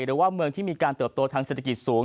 หรือว่าเมืองที่มีการเติบโตทางเศรษฐกิจสูง